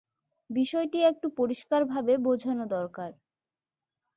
বিষয়টি একটু পরিষ্কারভাবে বোঝানো দরকার।